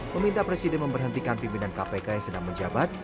meminta presiden memberhentikan pimpinan kpk yang sedang menjabat